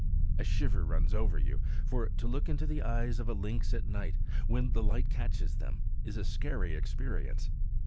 A shiver runs over you, for to look into the eyes of a lynx at night, when the light catches them, is a scary experience.